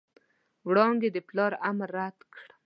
وړانګې د پلار امر رد کړ.